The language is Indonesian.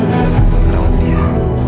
buat ngerawat dia